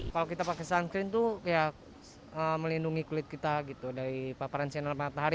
kalau kita pakai suncreen itu ya melindungi kulit kita gitu dari paparan sinar matahari